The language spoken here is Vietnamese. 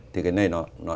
thì cái này nó